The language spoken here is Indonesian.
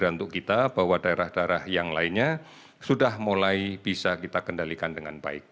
jadi berantuk kita bahwa daerah daerah yang lainnya sudah mulai bisa kita kendalikan dengan baik